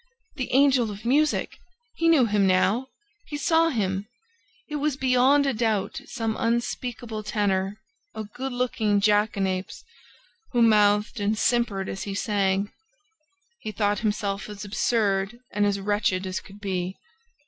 The Angel of Music! He knew him now! He saw him! It was beyond a doubt some unspeakable tenor, a good looking jackanapes, who mouthed and simpered as he sang! He thought himself as absurd and as wretched as could be.